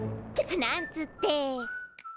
なんつって。